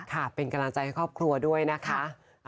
ค่ะเป็นกำลังใจให้ครอบครัวด้วยนะคะ